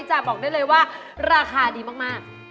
บอกได้เลยว่าราคาดีมาก